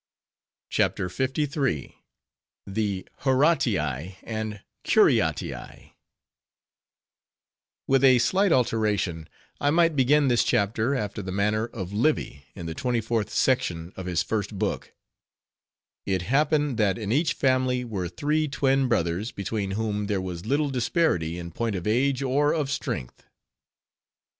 CHAPTER LIII. THE HORATII AND CURIATII With a slight alteration, I might begin this chapter after the manner of Livy, in the 24th section of his first book:—"It _happened, that in each family were three twin brothers, between whom there was little disparity in point of age or of strength."